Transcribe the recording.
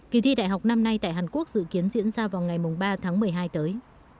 kỳ thi đại học năm nay tại hàn quốc dự kiến diễn ra vào ngày ba tháng một mươi hai tới